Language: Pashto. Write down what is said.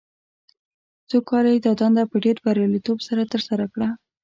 څو کاله یې دا دنده په ډېر بریالیتوب سره ترسره کړه.